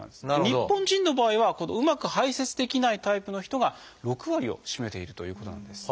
日本人の場合はこのうまく排せつできないタイプの人が６割を占めているということなんです。